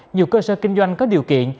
nhiều cơ sở kinh doanh có điều kiện